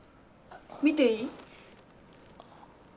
見ていい？